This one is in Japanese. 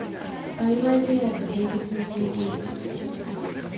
売買契約締結の制限